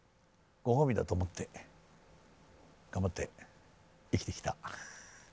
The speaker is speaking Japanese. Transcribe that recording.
ご褒美だと思って頑張って生きてきた。